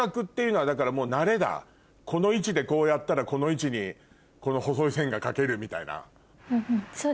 この位置でこうやったらこの位置にこの細い線が描けるみたいな。